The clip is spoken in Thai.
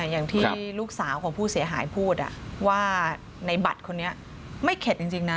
อย่างที่ลูกสาวของผู้เสียหายพูดว่าในบัตรคนนี้ไม่เข็ดจริงนะ